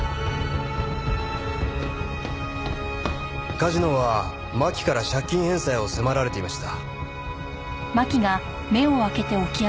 梶野は真輝から借金返済を迫られていました。